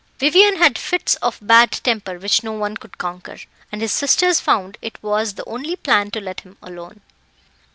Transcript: Vivian had fits of bad temper which no one could conquer, and his sisters found it was the only plan to let him alone.